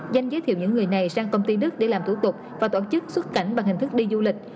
danh giới thiệu những người này sang công ty đức để làm thủ tục và tổ chức xuất cảnh bằng hình thức đi du lịch